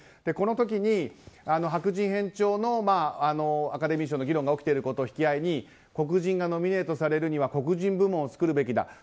この時に白人偏重のアカデミー賞の議論が起きていることを引き合いに黒人がノミネートされるには黒人部門を作るべきだ。